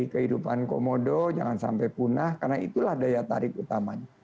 kehidupan komodo jangan sampai punah karena itulah daya tarik utamanya